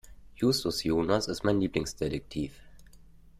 Justus Jonas ist mein Lieblingsdetektiv.